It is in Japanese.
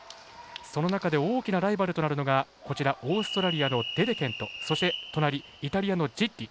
その中で大きなライバルとなるのがオーストラリアのデデケントそして隣、イタリアのジッリ。